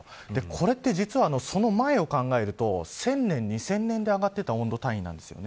これは、実はその前を考えると１０００年、２０００年で上がっていた温度単位なんです。